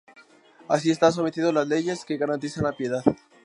Así está sometido a las leyes que garantizan la piedad.